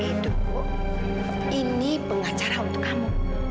ibuku ini pengacara untuk kamu